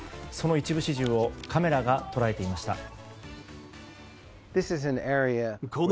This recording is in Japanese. その一部始終をカメラが捉えていました。